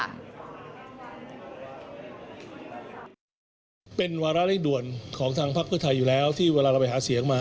เป็นวาระเร่งด่วนของทางพักเพื่อไทยอยู่แล้วที่เวลาเราไปหาเสียงมา